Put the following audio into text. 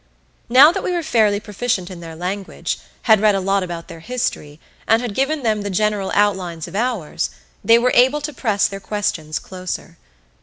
Now that we were fairly proficient in their language, had read a lot about their history, and had given them the general outlines of ours, they were able to press their questions closer.